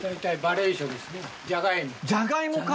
じゃがいもか！